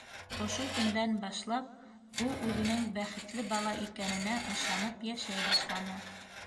Ошо көндән башлап ул үҙенең бәхетле бала икәненә ышанып йәшәй башланы.